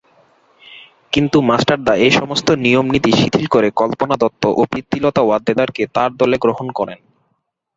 কিন্তু মাস্টার দা এই সমস্ত নিয়ম নীতি শিথিল করে কল্পনা দত্ত ও প্রীতিলতা ওয়াদ্দেদার-কে তার দলে গ্রহণ করেন।